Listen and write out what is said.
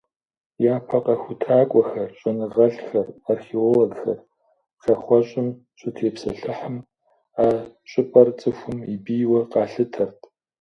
Япэ къэхутакӏуэхэр, щӏэныгъэлӏхэр, археологхэр пшахъуэщӏым щытепсэлъыхьым, а щӏыпӏэр цӏыхум и бийуэ къалъытэрт.